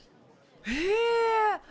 へえ！